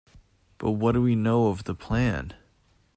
But what do we know of the plan?